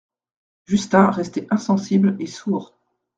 Justin restait insensible et sourd.